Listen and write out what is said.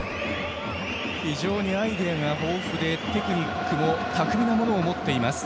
非常にアイデアが豊富でテクニックも巧みなものを持っています。